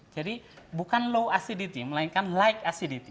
jadi bukan low acidity melainkan light acidity